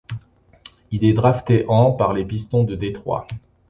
Il est drafté en par les Pistons de Détroit.